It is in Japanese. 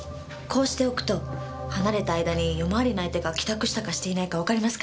こうしておくと離れた間に夜回りの相手が帰宅したかしていないかわかりますからね。